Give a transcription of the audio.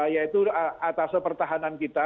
yaitu atas pertahanan kita